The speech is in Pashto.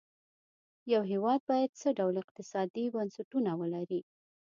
یو هېواد باید څه ډول اقتصادي بنسټونه ولري.